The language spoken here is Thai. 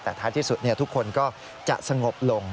แต่ท้ายที่สุดทุกคนก็จะสงบลง